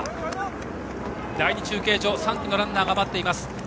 第２中継所３区のランナーが待っています。